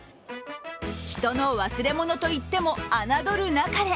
人の忘れ物といっても侮るなかれ。